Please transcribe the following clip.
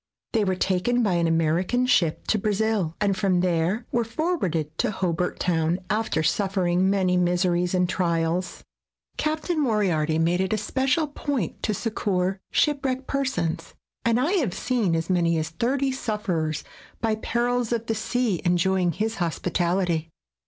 They were taken by an American ship to Brazil, and from there were forwarded to Hobart Town, after suf fering many miseries and trials. Captain Moriarity made it a special point to succor shipwrecked persons, and I have seen as many as thirty sufferers by perils of the sea enjoying his hospitality.